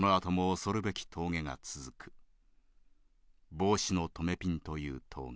帽子の留めピンという峠。